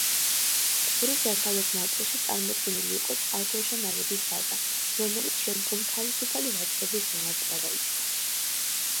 ყურის დასავლეთ ნაწილში წარმოდგენილი იყო წყალქვეშა ნავების ბაზა, რომელიც შემდგომ თავისუფალი ვაჭრობის ზონად გადაიქცა.